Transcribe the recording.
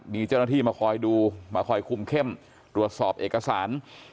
มีเจ้าหน้าที่มาคอยดูมาคอยคุมเข้มตรวจสอบเอกสาร